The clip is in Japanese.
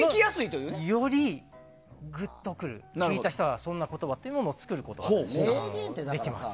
よりグッとくる、聞いた人がそんな言葉を作ることができます。